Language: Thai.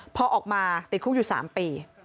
พอออกมาติดคุกอยู่๓ปี